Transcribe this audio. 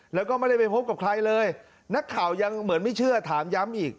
แล้วก็ไม่ได้ไปพบกับใครเลยนักข่าวยังเหมือนไม่เชื่อถามย้ำอีก